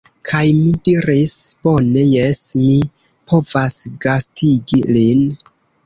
Kaj mi diris: "Bone. Jes, mi povas gastigi lin."